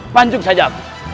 pancung saja aku